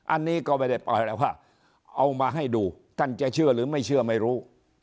อันนี้ก็ไม่ได้แปลว่าเอามาให้ดูท่านจะเชื่อหรือไม่เชื่อไม่รู้